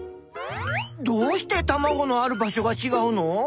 どうしてたまごのある場所がちがうの？